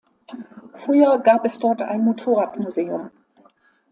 Früher gab es dort ein Motorradmuseum.